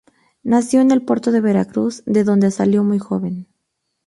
Nació en el Puerto de Veracruz, de donde salió muy joven.